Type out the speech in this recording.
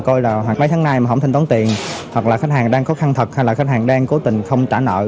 coi là mấy tháng nay mà không hình tốn tiền hoặc là khách hàng đang có khăn thật hay là khách hàng đang cố tình không trả nợ